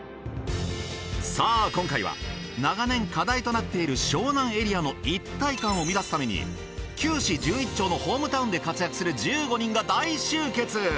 さあ今回は長年課題となっている湘南エリアの一体感を生み出すために９市１１町のホームタウンで活躍する１５人が大集結！